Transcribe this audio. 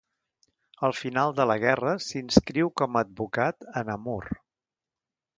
Al final de la guerra, s'inscriu com a advocat a Namur.